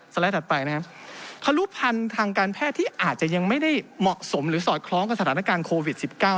ไลด์ถัดไปนะครับครุพันธ์ทางการแพทย์ที่อาจจะยังไม่ได้เหมาะสมหรือสอดคล้องกับสถานการณ์โควิด๑๙